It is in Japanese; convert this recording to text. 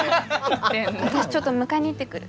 私ちょっと迎えに行ってくる。